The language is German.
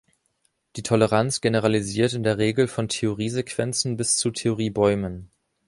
Die Toleranz generalisiert in der Regel von Theorie-Sequenzen bis zu Theorie-Bäumen.